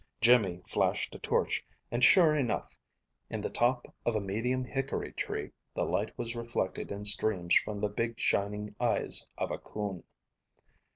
Jimmy flashed a torch, and sure enough, in the top of a medium hickory tree, the light was reflected in streams from the big shining eyes of a coon.